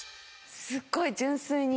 すっごい純粋に。